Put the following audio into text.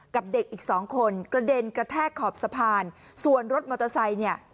กับเด็กอีกสองคนกระเด็นกระแทกขอบสะพานส่วนรถมอเตอร์ไซค์เนี่ย